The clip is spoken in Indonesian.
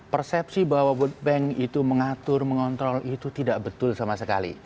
persepsi bahwa world bank itu mengatur mengontrol itu tidak betul sama sekali